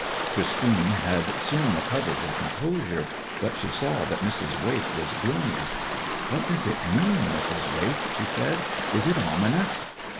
Christine had soon recovered her composure, but she saw that Mrs. Wake was gloomy. 'What does it mean, Mrs. Wake?' she said. 'Is it ominous?'